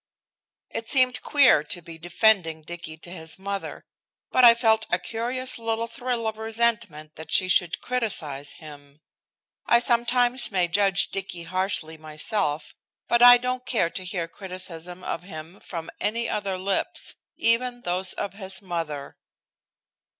It seemed queer to be defending Dicky to his mother, but I felt a curious little thrill of resentment that she should criticise him. I sometimes may judge Dicky harshly myself, but I don't care to hear criticism of him from any other lips, even those of his mother.